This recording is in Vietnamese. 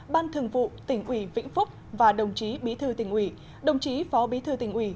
ban thường vụ tỉnh ủy vĩnh phúc và đồng chí bí thư tỉnh ủy đồng chí phó bí thư tỉnh ủy